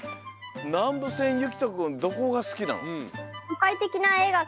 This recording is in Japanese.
なんぶせんゆきとくんどこがすきなの？